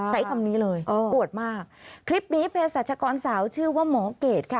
ใช้คำนี้เลยอวดมากคลิปนี้เพศรัชกรสาวชื่อว่าหมอเกดค่ะ